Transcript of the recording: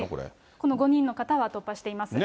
この５人の方は突破しています。